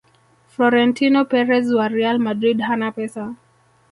frorentino perez wa real madrid hana pesa